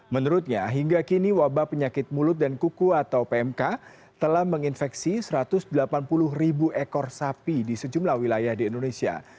menurutnya hingga kini wabah penyakit mulut dan kuku atau pmk telah menginfeksi satu ratus delapan puluh ribu ekor sapi di sejumlah wilayah di indonesia